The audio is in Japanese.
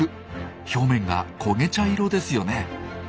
表面が焦げ茶色ですよね。